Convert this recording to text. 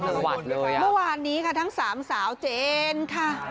เมื่อวานนี้ค่ะทั้งสามสาวเจนค่ะ